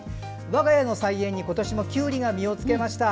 我が家の菜園に今年もきゅうりが実をつけました。